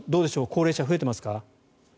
高齢者は増えていますか？